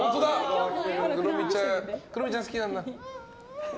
クロミちゃん好きなんだ。